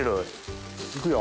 いくよ。